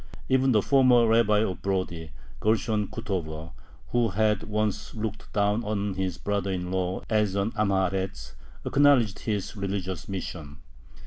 Even the former Rabbi of Brody, Gershon Kutover, who had once looked down on his brother in law as an Am ha Aretz, acknowledged his religious mission.